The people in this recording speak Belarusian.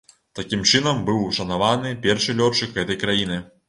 Такім чынам быў ушанаваны першы лётчык гэтай краіны.